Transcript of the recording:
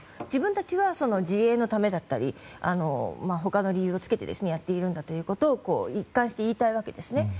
自分たちは自衛のためだったり他の理由をつけてやっているんだということを一貫して言いたいわけですね。